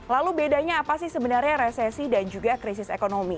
lalu bedanya apa sih sebenarnya resesi dan juga krisis ekonomi